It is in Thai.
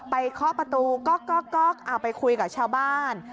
ไปเคาะประตูก๊อกก๊อกก๊อกเอาไปคุยกับชาวบ้าน